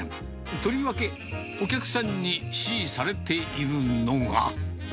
とりわけお客さんに支持されているのが。